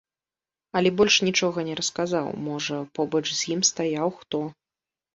Але больш нічога не расказаў, можа, побач з ім стаяў хто.